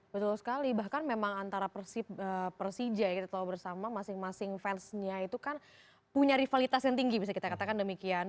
betul sekali bahkan memang antara persija ya kita tahu bersama masing masing fansnya itu kan punya rivalitas yang tinggi bisa kita katakan demikian